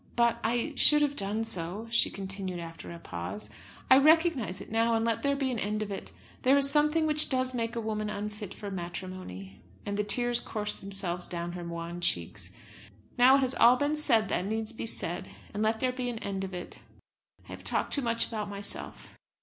"But I should have done so," she continued after a pause. "I recognise it now; and let there be an end of it. There is a something which does make a woman unfit for matrimony." And the tears coursed themselves down her wan cheeks. "Now it has all been said that need be said, and let there be an end of it. I have talked too much about myself.